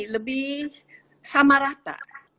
lebih sama rata